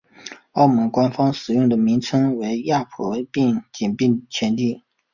澳门官方使用的名称为亚婆井前地。